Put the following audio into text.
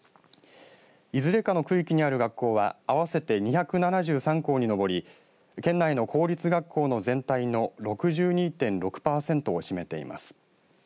いずれかの区域にある学校は合わせて２７３校に上り県内の公立学校の全体の６２．６パーセントを占めています。